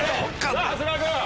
さぁ長谷川君。